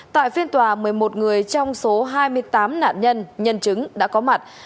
tại phiên tòa một mươi một người trong số hai mươi tám nạn nhân nhân chứng đã có mặt